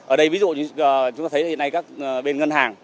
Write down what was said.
ở đây ví dụ như chúng ta thấy hiện nay các bên ngân hàng